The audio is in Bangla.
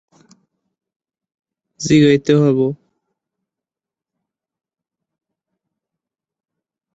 অতীতের ন্যায় তত ব্যাপক না হলেও কোথাও কোথাও এর অস্তিত্ব এখনও বর্তমান।